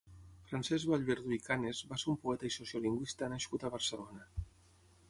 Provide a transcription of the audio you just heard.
Francesc Vallverdú i Canes va ser un poeta i sociolingüista nascut a Barcelona.